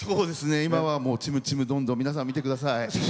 今は、ちむちむどんどん皆さん、見てください。